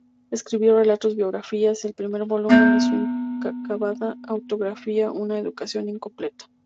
Escribió relatos, biografías y el primer volumen de su inacabada autobiografía, "Una educación incompleta".